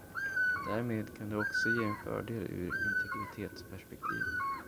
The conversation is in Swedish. Därmed kan det också ge en fördel ur integritetsperspektiv.